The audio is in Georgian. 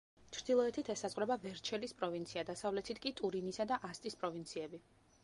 ჩრდილოეთით ესაზღვრება ვერჩელის პროვინცია, დასავლეთით კი ტურინისა და ასტის პროვინციები.